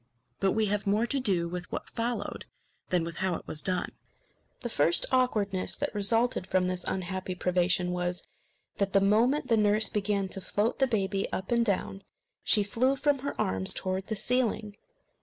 But we have more to do with what followed than with how it was done. The first awkwardness that resulted from this unhappy privation was, that the moment the nurse began to float the baby up and down, she flew from her arms towards the ceiling.